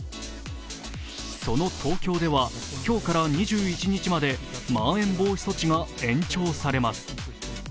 その東京では、今日から２１日までまん延防止措置が延長されます。